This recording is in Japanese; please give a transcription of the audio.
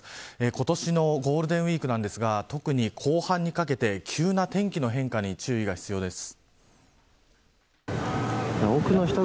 今年のゴールデンウイークなんですが特に後半にかけて、急な天気の変化に注意が必要です。